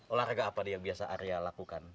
olahraga apa nih yang biasa arya lakukan